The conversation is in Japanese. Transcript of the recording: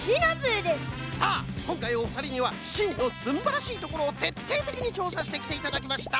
さあこんかいおふたりにはしんのすんばらしいところをてっていてきにちょうさしてきていただきました。